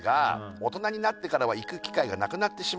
「大人になってからは行く機会がなくなってしまい」